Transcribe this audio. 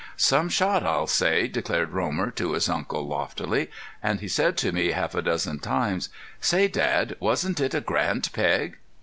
"Some shot, I'll say!" declared Romer to his uncle, loftily. And he said to me half a dozen times: "Say, Dad, wasn't it a grand peg?"